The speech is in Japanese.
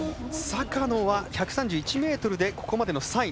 坂野は１３１ｍでここまでの３位。